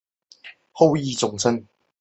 孟子家族是孟子后裔的总称。